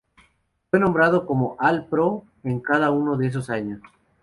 Fue nombrado como All-Pro en cada uno de esos años.